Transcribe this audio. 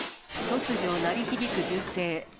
突如、鳴り響く銃声。